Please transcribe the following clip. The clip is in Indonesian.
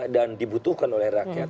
dan dibutuhkan oleh rakyat